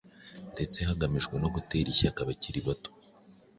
ndetse hagamijwe no gutera ishyaka abakiri bato.